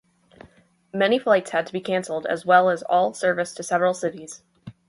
Many flights had to be cancelled as well as all service to several cities.